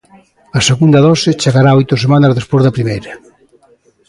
A segunda dose chegará oito semanas despois da primeira.